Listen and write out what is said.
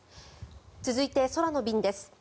続いて、空の便です。